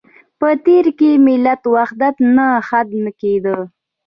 په تېر کې ملي وحدت ته خنده کېده.